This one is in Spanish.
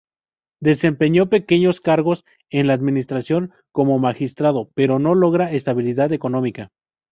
Desempeñó pequeños cargos en la administración, como magistrado, pero no logra estabilidad económica.